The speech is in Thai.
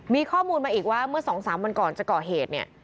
มีข้อมูลมาอีกว่าเมื่อ๒๓วันก่อนจะก่อเหตุเนี่ย